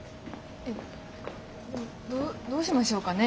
どどうしましょうかね。